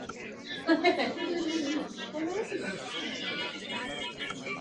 El anime, producido por "Directions, Inc.